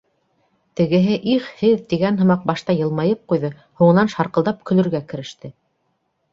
Тегеһе «их, һеҙ» тигән һымаҡ, башта йылмайып ҡуйҙы, һуңынан шарҡылдап көлөргә кереште.